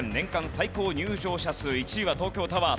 最高入場者数１位は東京タワー